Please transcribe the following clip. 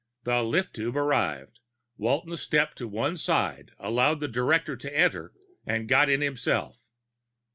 The lift tube arrived. Walton stepped to one side, allowed the Director to enter, and got in himself.